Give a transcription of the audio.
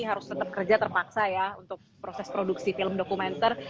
harus tetap kerja terpaksa ya untuk proses produksi film dokumenter